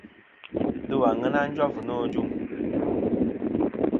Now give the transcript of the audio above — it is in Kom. Ndo àŋena jof nô ajuŋ.